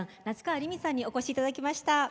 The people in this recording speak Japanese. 夏川りみさんにお越しいただきました。